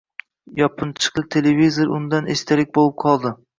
Yopinchiqli televizor undan esdalik boʻlib qoldi